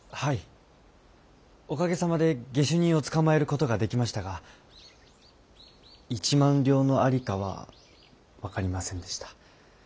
おかげさまで下手人を捕まえることができましたが一万両の在りかは分かりませんでした。